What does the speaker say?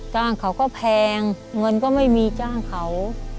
จ้างเขาก็แพงเงินก็ไม่มีจ้างเขา